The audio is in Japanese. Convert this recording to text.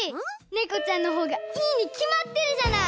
ねこちゃんのほうがいいにきまってるじゃない！